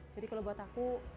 jadi kalau buat aku